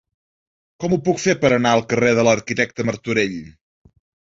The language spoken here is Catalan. Com ho puc fer per anar al carrer de l'Arquitecte Martorell?